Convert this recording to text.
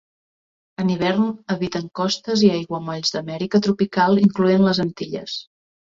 En hivern habiten costes i aiguamolls d'Amèrica tropical incloent les Antilles.